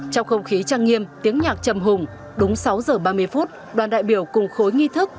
trong không khí trang nghiêm tiếng nhạc trầm hùng đúng sáu giờ ba mươi phút đoàn đại biểu cùng khối nghi thức